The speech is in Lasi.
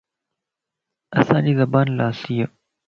اسان جي زبان لاسيَ